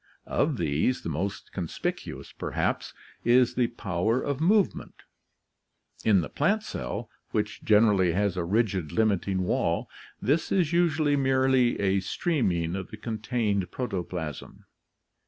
Of these, the most conspicuous, perhaps, is the power of move ment. In the plant cell, which generally has a rigid limiting wall, THE ORGANIC KINGDOM 21 ■ this is usually merely a streaming of the contained protoplasm.